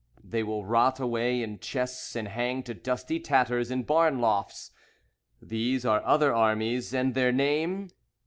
They will rot away in chests and hang to dusty tatters in barn lofts. These are other armies. And their name?